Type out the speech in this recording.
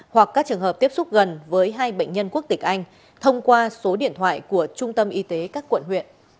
hoặc các trường hợp tiếp xúc gần với hai bệnh nhân quốc tịch anh thông qua số điện thoại của trung tâm y tế các quận huyện